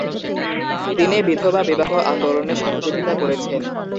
তিনি বিধবা বিবাহ আন্দোলনে সহযোগিতা করেছেন।